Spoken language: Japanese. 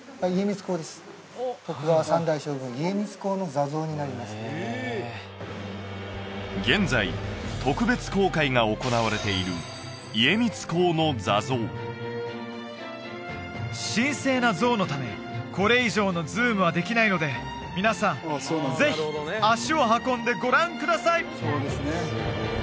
徳川三代将軍家光公の坐像になります現在特別公開が行われている家光公の坐像神聖な像のためこれ以上のズームはできないので皆さんぜひ足を運んでご覧ください！